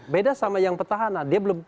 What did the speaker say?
beda sama yang petahana dia belum